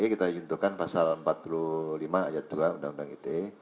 kita juntuhkan pasal empat puluh lima ayat dua undang undang ite